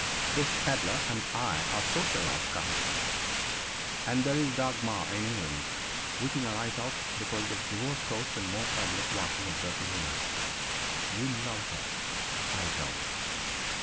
This pedlar and I are social outcasts. And there is Dagmar in England, weeping her eyes out because of divorce courts and more public washing of dirty linen. You love her. I don't!